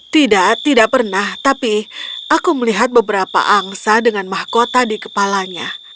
tidak tidak pernah tapi aku melihat beberapa angsa dengan mahkota di kepalanya